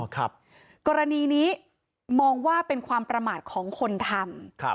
กรณีนี้มองว่าเป็นความประมาทของคนทำ